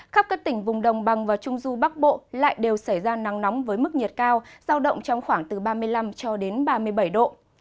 khắp các tỉnh vùng đồng bằng và trung du bắc bộ lại đều xảy ra nắng nóng với mức nhiệt cao giao động trong khoảng từ ba mươi năm cho đến ba mươi bảy độ